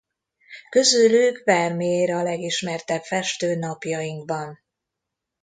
Közülük Vermeer a legismertebb festő napjainkban.